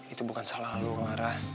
itu bukan salah lu lara